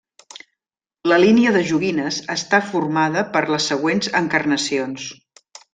La línia de joguines està formada per les següents encarnacions.